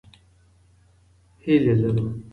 هیلې لرو.